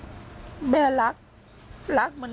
แต่มันถือปืนมันไม่รู้นะแต่ตอนหลังมันจะยิงอะไรหรือเปล่าเราก็ไม่รู้นะ